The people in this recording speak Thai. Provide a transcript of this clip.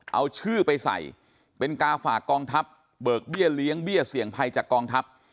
เอาชื่อไปใส่เป็นกาฝากกองทัพเบิกเบี้ยเลี้ยงเบี้ยเสี่ยงภัยจากกองทัพ